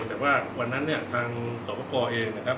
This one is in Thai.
แต่ว่าวันนั้นเนี่ยทางสวบคอเองนะครับ